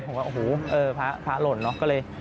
ผมว่าโอ้โฮพระหล่นเนอะ